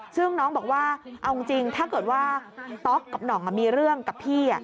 ซึ่งน้องบอกว่าเอาจริงถ้าเกิดว่าต๊อกกับหน่องมีเรื่องกับพี่